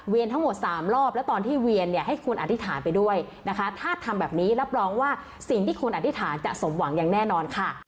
ทั้งหมด๓รอบแล้วตอนที่เวียนเนี่ยให้คุณอธิษฐานไปด้วยนะคะถ้าทำแบบนี้รับรองว่าสิ่งที่คุณอธิษฐานจะสมหวังอย่างแน่นอนค่ะ